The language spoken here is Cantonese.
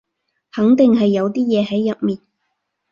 肯定係有啲嘢喺入面